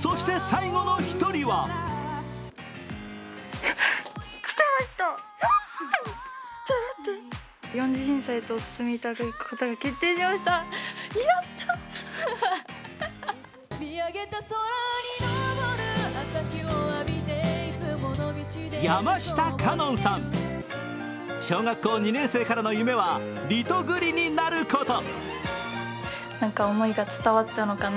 そして最後の１人は小学校２年生からの夢はリトグリになること。